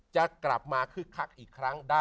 จะกลับมาคึกคักอีกครั้งได้